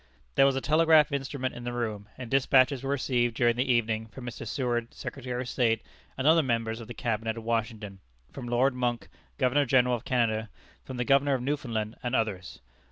There was a telegraph instrument in the room, and despatches were received during the evening from Mr. Seward, Secretary of State, and other members of the Cabinet at Washington, from Lord Monck, Governor General of Canada, from the Governor of Newfoundland, and others.